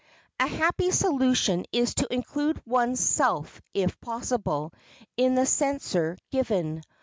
A happy solution is to include one's self if possible in the censure given.